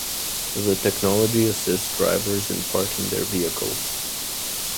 The technology assists drivers in parking their vehicle.